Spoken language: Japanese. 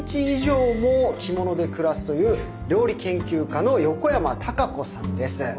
以上も着物で暮らすという料理研究家の横山タカ子さんです。